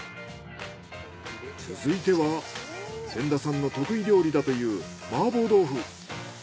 続いては仙田さんの得意料理だという麻婆豆腐。